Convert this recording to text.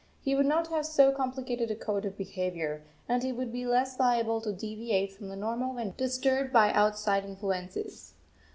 He would not have so complicated a code of behaviour; and he would be less liable to deviate from the normal when disturbed by outside influences.